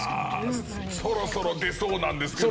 そろそろ出そうなんですけど。